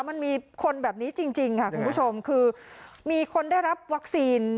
มันมีคนแบบนี้จริงค่ะคุณผู้ชมคือมีคนได้รับวัคซีน